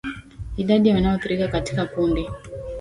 Idadi ya wanaoathiriwa katika kundi